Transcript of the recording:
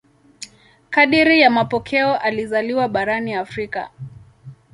Kadiri ya mapokeo alizaliwa barani Afrika.